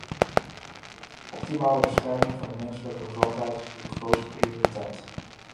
Optimale bescherming van de menselijke gezondheid is hier de grootste prioriteit.